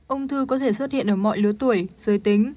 ung thư có thể xuất hiện ở mọi lứa tuổi giới tính